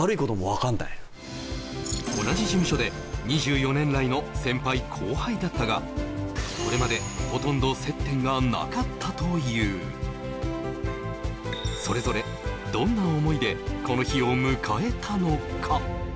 同じ事務所で２４年来の先輩後輩だったがこれまでというそれぞれどんな思いでこの日を迎えたのか？